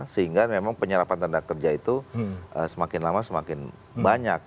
sehingga memang penyerapan tanda kerja itu semakin lama semakin banyak